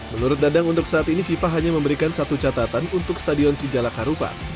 menurut dadang untuk saat ini fifa hanya memberikan satu catatan untuk stadion sijalak harupa